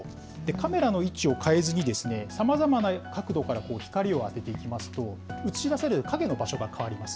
カメラの位置を変えずに、さまざまな角度から光を当てていきますと、映し出される影の場所が変わります。